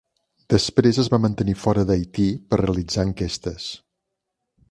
Després es va mantenir fora d'Haití per realitzar enquestes.